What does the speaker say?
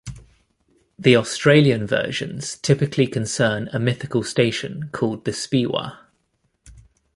The Australian versions typically concern a mythical station called The Speewah.